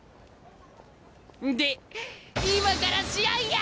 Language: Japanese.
で今から試合や！